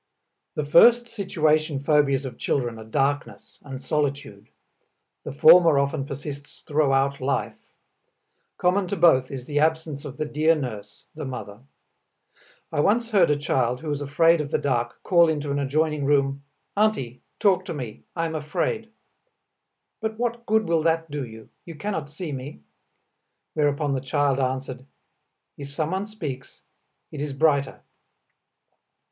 The first situation phobias of children are darkness and solitude; the former often persists throughout life; common to both is the absence of the dear nurse, the mother. I once heard a child, who was afraid of the dark, call into an adjoining room, "Auntie, talk to me, I am afraid." "But what good will that do you? You cannot see me!" Whereupon the child answered, "If someone speaks, it is brighter."